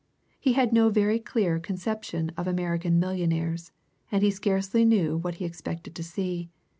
He had no very clear conception of American millionaires, and he scarcely knew what he expected to see.